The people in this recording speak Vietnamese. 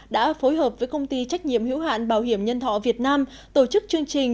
đã phối hợp với công ty trách nhiệm hữu hạn bảo hiểm nhân thọ việt nam tổ chức chương trình